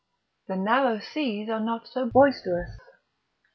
The narrow seas are not so boisterous.